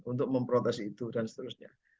untuk memprotes itu dan seterusnya